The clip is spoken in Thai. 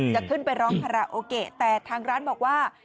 จะขึ้นไปร้องคาราโอเกะแต่ทางร้านบอกว่า